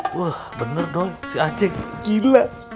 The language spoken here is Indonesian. wah bener doi si aceh gila